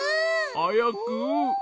はやく。